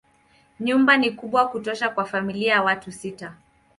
Nyumba ni kubwa kutosha kwa familia ya watu sita.